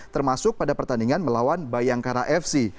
termasuk pada pertandingan melawan bayangkara fc